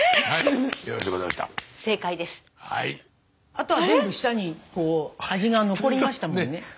あとは全部舌に味が残りましたもんね。